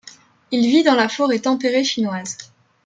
Il vit dans la forêt tempérée chinoise.